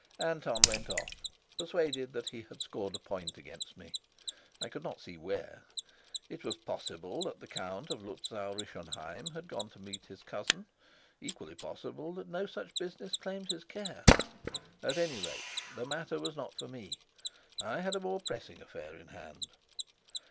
Anton went off, persuaded that he had scored a point against me. I could not see where. It was possible that the Count of Luzau Rischenheim had gone to meet his cousin, equally possible that no such business claimed his care. At any rate, the matter was not for me. I had a more pressing affair in hand.